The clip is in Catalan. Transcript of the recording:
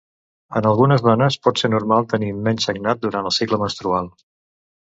En algunes dones pot ser normal tenir menys sagnat durant el cicle menstrual.